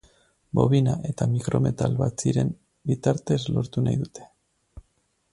Bobina eta mikrometal batziren biatrtez lortu nahi dute.